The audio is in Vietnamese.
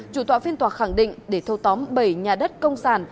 chủ tọa phiên tòa khẳng định để thâu tóm bảy nhà đất công sản